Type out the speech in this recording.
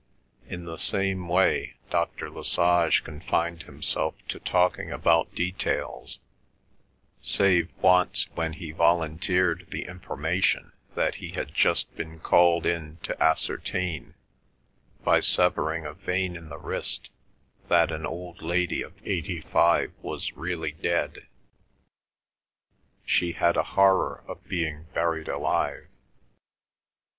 In the same way, Dr. Lesage confined himself to talking about details, save once when he volunteered the information that he had just been called in to ascertain, by severing a vein in the wrist, that an old lady of eighty five was really dead. She had a horror of being buried alive.